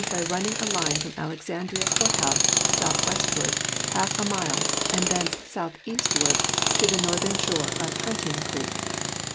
by running a line from Alexandria courthouse southwestward half a mile and thence southeastward to the northern shore of Hunting creek.